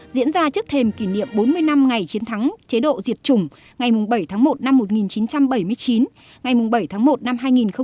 diễn ra trước thềm kỷ niệm bốn mươi năm ngày chiến thắng chế độ diệt chủng ngày bảy tháng một năm một nghìn chín trăm bảy mươi chín ngày bảy tháng một năm hai nghìn một mươi chín